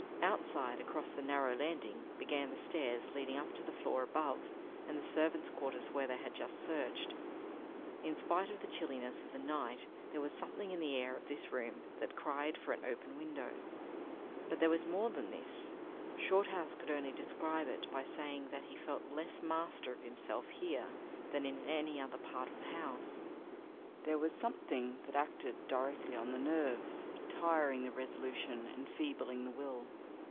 Outside, across the narrow landing, began the stairs leading up to the floor above, and the servants' quarters where they had just searched. In spite of the chilliness of the night there was something in the air of this room that cried for an open window. But there was more than this. Shorthouse could only describe it by saying that he felt less master of himself here than in any other part of the house. There was something that acted directly on the nerves, tiring the resolution, enfeebling the will.